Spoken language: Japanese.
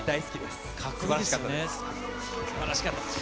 すばらしかったです。